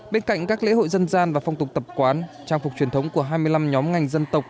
bên cạnh các lễ hội dân gian và phong tục tập quán trang phục truyền thống của hai mươi năm nhóm ngành dân tộc